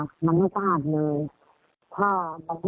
ก็คือเวลาตามที่ข่าวรวมค่ะ